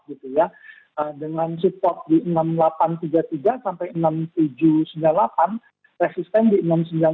gitu ya dengan support di indonesia dan juga di negara lainnya ya karena ini juga menurut saya